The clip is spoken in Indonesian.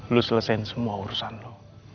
lo selesain semua urusan lo